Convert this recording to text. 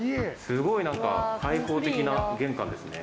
すごい何か開放的な玄関ですね。